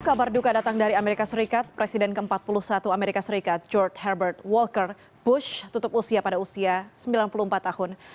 kabar duka datang dari amerika serikat presiden ke empat puluh satu amerika serikat george herbert walker bush tutup usia pada usia sembilan puluh empat tahun